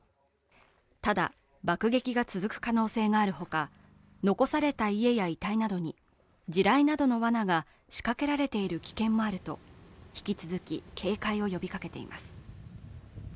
ただ、爆撃が続く可能性があるほか残された家や遺体などに地雷などのわなが仕掛けられている危険もあると引き続き、警戒を呼びかけています。